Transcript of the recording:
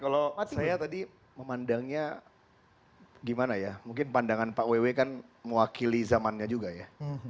kalau saya tadi memandangnya gimana ya mungkin pandangan pak ww kan mewakili zamannya juga ya